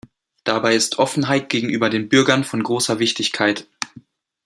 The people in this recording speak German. Dabei ist Offenheit gegenüber den Bürgern von großer Wichtigkeit.